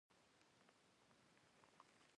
ډبرین وسایل د هډوکو د مغزو د ترلاسه کولو لپاره کارېدل.